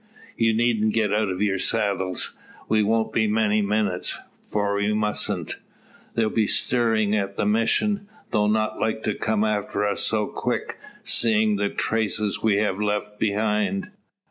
You needn't get out of your saddles. We won't be many minutes, for we mustn't. They'll be a stirrin' at the Mission, though not like to come after us so quick, seeing the traces we've left behind.